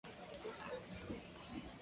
Extremadamente raro en el cultivo.